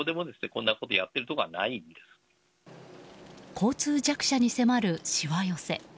交通弱者に迫る、しわ寄せ。